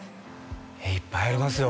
いっぱいありますよ